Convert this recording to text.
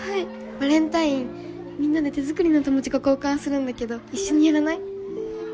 バレンタインみんなで手作りの友チョコ交換するんだけど一緒にやらない？